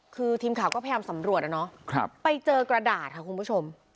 คือทีมข่าวก็พยายามสำรวจนะเนาะไปเจอกระดาษค่ะคุณผู้ชม